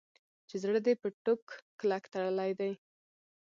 چې زړه دې په ټوک کلک تړلی دی.